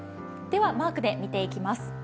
では、マークで見ていきます。